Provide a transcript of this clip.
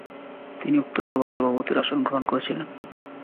তিনি উক্ত সভায় সভাপতির আসন গ্রহণ করেছিলেন।